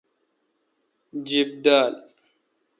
جِیب دال۔